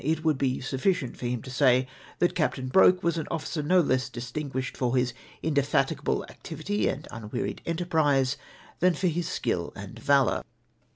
It would be suffi cient for him to say that Captain Broke was an officer no less distinguished for his indeflxtigable activity and unwearied enterprise than, for his skill and valour.